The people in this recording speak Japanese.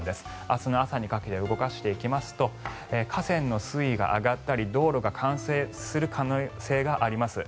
明日の朝にかけて動かしていきますと河川の水位が上がったり道路が冠水する可能性があります